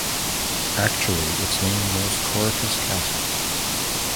Actually its name was Corycus Castle.